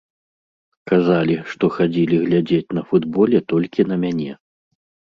Казалі, што хадзілі глядзець на футболе толькі на мяне.